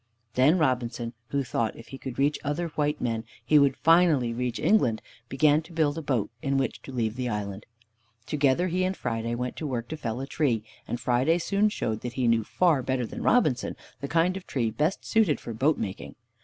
Then Robinson, who thought if he could reach other white men, he would finally reach England, began to build a boat in which to leave the island. Together he and Friday went to work to fell a tree, and Friday soon showed that he knew far better than Robinson the kind of tree best suited for boat making.